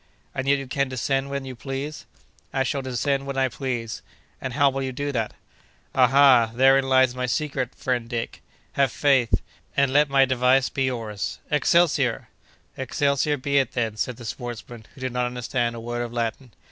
"And yet you can descend when you please?" "I shall descend when I please." "And how will you do that?" "Ah, ha! therein lies my secret, friend Dick. Have faith, and let my device be yours—'Excelsior!'" "'Excelsior' be it then," said the sportsman, who did not understand a word of Latin.